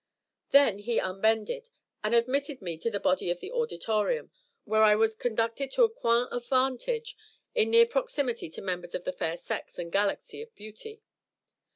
Then he unbended, and admitted me to the body of the auditorium, where I was conducted to a coign of vantage in near proximity to members of the fair sex and galaxy of beauty.